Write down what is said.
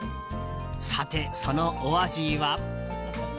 さて、そのお味は。